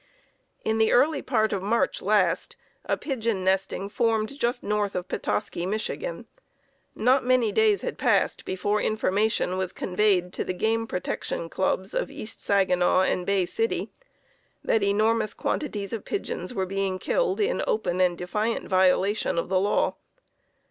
In the early part of March last, a pigeon nesting formed just north of Petoskey, Michigan. Not many days had passed before information was conveyed to the game protection clubs of East Saginaw and Bay City, that enormous quantities of pigeons were being killed in open and defiant violation of the law.